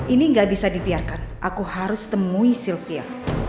ini gak bisa dibiarkan aku harus temui sylvia